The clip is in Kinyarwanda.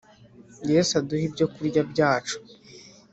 Yesu uduhe ibyo kurya byacu